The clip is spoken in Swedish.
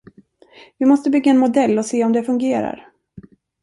Vi måste bygga en modell och se om det fungerar.